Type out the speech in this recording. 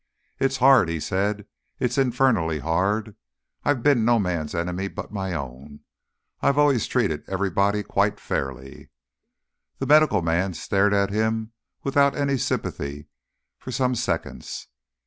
"It's hard," he said. "It's infernally hard! I've been no man's enemy but my own. I've always treated everybody quite fairly." The medical man stared at him without any sympathy for some seconds.